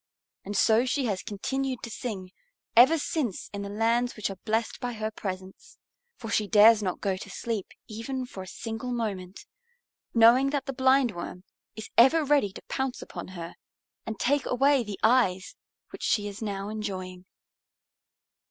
And so she has continued to sing ever since in the lands which are blessed by her presence. For she dares not go to sleep even for a single moment, knowing that the Blindworm is ever ready to pounce upon her and take away the eyes which she is now enjoying.